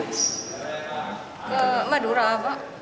ke madura pak